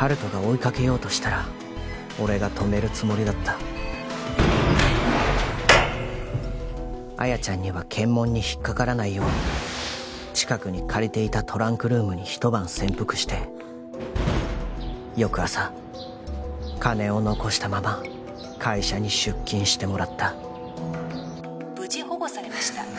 温人が追いかけようとしたら俺が止めるつもりだった亜矢ちゃんには検問に引っかからないよう近くに借りていたトランクルームに一晩潜伏して翌朝金を残したまま会社に出勤してもらった無事保護されました